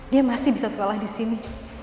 dia masih bisa sekolah disini